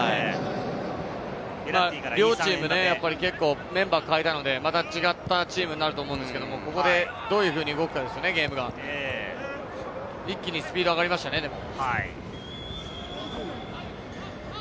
両チーム、やっぱりメンバーを代えたので、また違ったチームになると思うんですけれど、ここでどういうふうに動くかですよね、ゲームが一気にスピードが上がりましたね、でも。